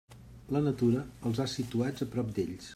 La natura els ha situats a prop d'ells.